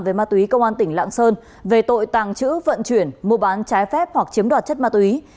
về ma túy công an tỉnh lạng sơn về tội tàng trữ vận chuyển mua bán trái phép hoặc chiếm đoạt chất ma túy